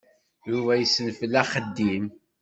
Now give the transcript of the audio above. Yuba yessenfel axeddim.